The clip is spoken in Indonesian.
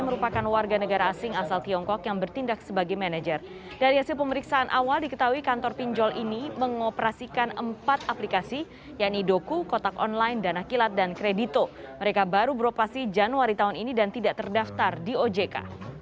mereka baru beroperasi januari tahun ini dan tidak terdaftar di ojk